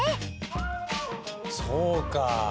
そうか！